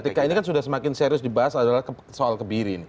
ketika ini kan sudah semakin serius dibahas adalah soal kebiri